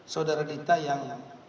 saudara dita yang